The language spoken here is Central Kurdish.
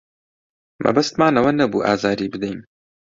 مەبەستمان ئەوە نەبوو ئازاری بدەین.